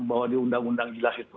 bahwa di undang undang jelas itu